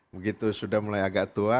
begitu sudah mulai agak tua